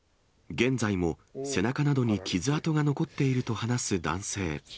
現在も背中などに傷痕が残っていると話す男性。